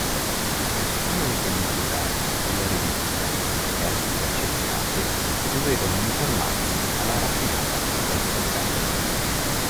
Perfino le pubblicità sulla rivista, per essere accettate, dovevano uniformarsi alla raffinata veste grafica.